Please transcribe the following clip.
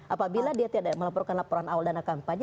apabila dia tidak melaporkan laporan awal dana kampanye